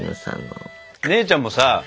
姉ちゃんもさ